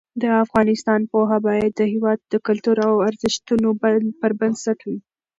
د افغانستان پوهه باید د هېواد د کلتور او ارزښتونو پر بنسټ وي.